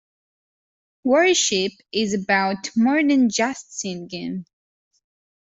Worship is about more than just singing.